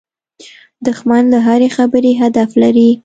دښمن له هرې خبرې هدف لري